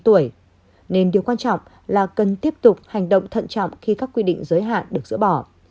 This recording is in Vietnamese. nên điều quan trọng là cần tiếp tục hành động thận trọng khi các quy định giới hạn được dỡ bỏ